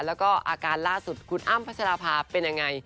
แล้วก็อาการล่าสุดคุณอ้ำพัชราภาเป็นยังไง